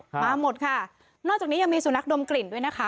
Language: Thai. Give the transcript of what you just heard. มาหมดค่ะนอกจากนี้ยังมีสุนัขดมกลิ่นด้วยนะคะ